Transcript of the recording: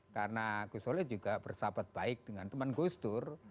karena gus solah juga bersahabat baik dengan teman gus dur